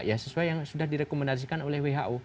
ya sesuai yang sudah direkomendasikan oleh who